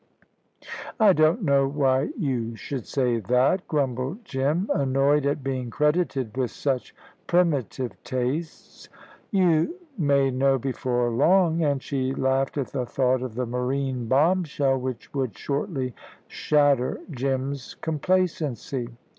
"I don't know why you should say that," grumbled Jim, annoyed at being credited with such primitive tastes. "You may know before long," and she laughed at the thought of the marine bomb shell which would shortly shatter Jim's complacency.